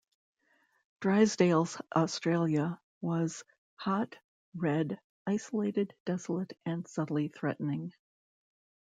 Drysdale's Australia was "hot, red, isolated, desolate and subtly threatening".